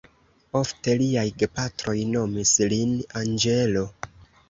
Ofte liaj gepatroj nomis lin anĝelo.